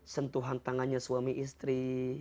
sentuhan tangannya suami istri